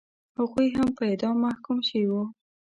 هغوی هم په اعدام محکوم شوي وو.